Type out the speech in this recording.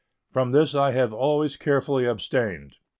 From this I have always carefully abstained.